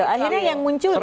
akhirnya yang muncul gitu